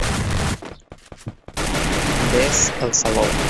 Vés al saló.